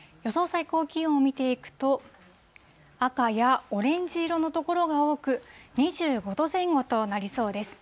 最高気温を見ていくと、赤やオレンジ色の所が多く、２５度前後となりそうです。